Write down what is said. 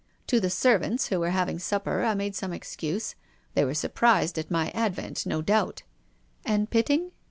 To the servants, who were having supper, I made some excuse. They were surprised at my advent, no doubt." "And Pitting?"